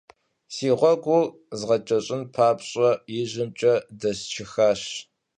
Си гъуэгур згъэкӏэщӏын папщӏэ, ижьымкӏэ дэсчыхащ.